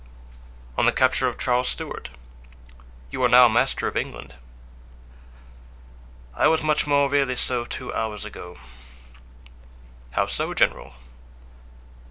"On the capture of Charles Stuart. You are now master of England." "I was much more really so two hours ago." "How so, general?"